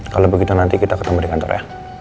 kalau begitu nanti kita ketemu di kantor ya